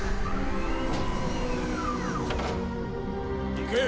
行け！